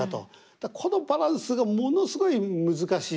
だからこのバランスがものすごい難しい。